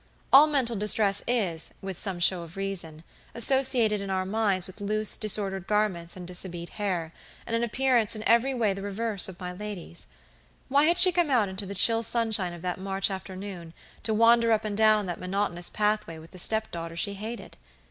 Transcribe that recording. All mental distress is, with some show of reason, associated in our minds with loose, disordered garments and dishabilled hair, and an appearance in every way the reverse of my lady's. Why had she come out into the chill sunshine of that March afternoon to wander up and down that monotonous pathway with the step daughter she hated?